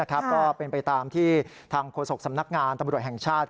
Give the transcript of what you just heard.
ก็เป็นไปตามที่ทางโฆษกสำนักงานตำรวจแห่งชาติ